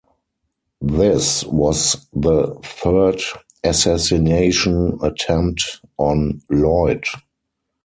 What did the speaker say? This was the third assassination attempt on Lloyd.